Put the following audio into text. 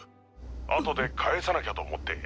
あとで返さなきゃと思って。